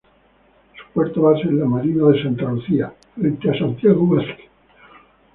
Su puerto base es la Marina de Santa Lucía, frente a Santiago Vázquez.